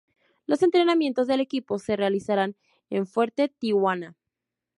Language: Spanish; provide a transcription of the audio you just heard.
Los entrenamientos del equipo se realizarán en Fuerte Tiuna.